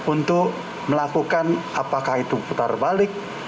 untuk melakukan apakah itu putar balik